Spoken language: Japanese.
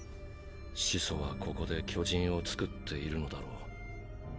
始祖はここで巨人を作っているのだろう。